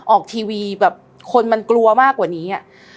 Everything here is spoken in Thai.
ออกทีวีแบบคนมันกลัวมากกว่านี้อะ